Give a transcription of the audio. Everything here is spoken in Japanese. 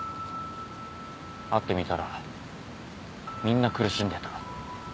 会ってみたらみんな苦しんでた